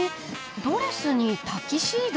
ドレスにタキシード？